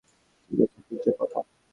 ঠিক আছে, পিৎজা পপা।